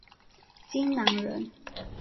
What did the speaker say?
荆南人。